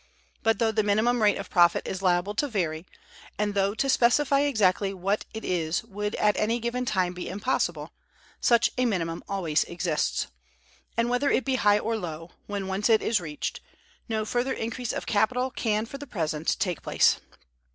But, though the minimum rate of profit is liable to vary, and though to specify exactly what it is would at any given time be impossible, such a minimum always exists; and, whether it be high or low, when once it is reached, no further increase of capital can for the present take place.